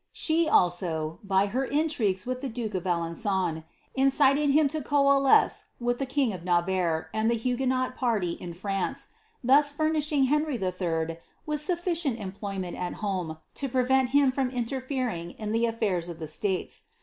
She, also, by her intrigues with the duke of Alenfon, incited him to coalesce with the king of Navarre and the Huguenot party in France, thus fur nishing Henry III. with sufficient employment at home to prevent him from interfering in the afftiirs of the states.